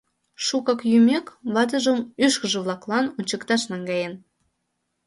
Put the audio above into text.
Шукак йӱмек, ватыжым ӱшкыж-влаклан ончыкташ наҥгаен.